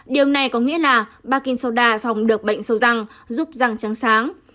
điều này có nghĩa là baking soda phòng được bệnh sâu răng giúp răng trắng sáng